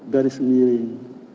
garis miring sebelas